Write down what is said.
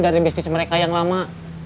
dari bisnis mereka yang lama